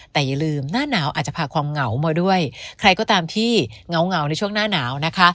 แต่อย่าลืมหน้าหนาวอาจจะพาความเหงามาด้วยใครก็ตามที่เหงาเหงามนะคะ